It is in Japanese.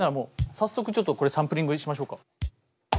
早速ちょっとこれサンプリングしましょうか。